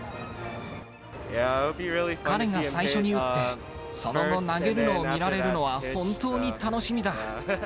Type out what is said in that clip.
彼が最初に打って、その後、投げるのを見られるのは、本当に楽しみだ。